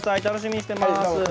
楽しみにしてます。